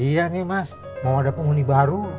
iya nih mas mau ada penghuni baru